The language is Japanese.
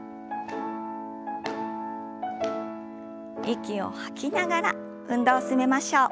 息を吐きながら運動を進めましょう。